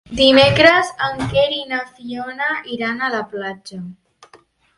Dimecres en Quer i na Fiona iran a la platja.